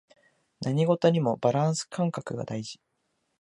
何事もバランス感覚が大事